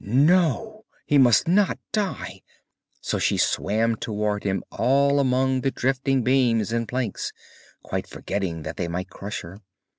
No! he must not die; so she swam towards him all among the drifting beams and planks, quite forgetting that they might crush her.